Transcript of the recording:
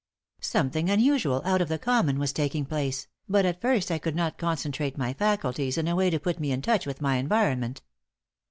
Something unusual, out of the common, was taking place, but at first I could not concentrate my faculties in a way to put me in touch with my environment.